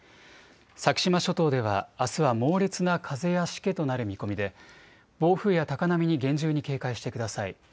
先島諸島ではあすは猛烈な風やしけとなる見込みで暴風や高波に厳重に警戒してください。